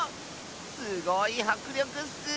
すごいはくりょくッス。